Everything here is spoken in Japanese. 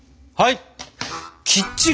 はい。